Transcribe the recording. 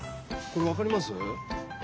これわかります？